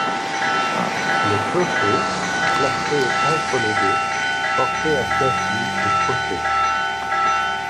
Le clocher, placé entre les deux, portait à conflits et procès.